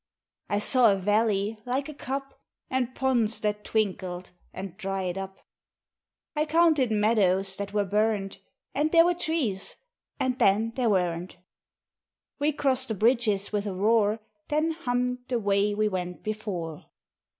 I saw a Valley, like a cup; And ponds that twinkled, and dried up. [Illustration: THE JOURNEY] I counted meadows, that were burnt; And there were trees, and then there weren't! We crossed the bridges with a roar, Then hummed, the way we went before.